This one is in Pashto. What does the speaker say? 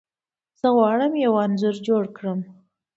زه غواړم یو انځور جوړ کړم.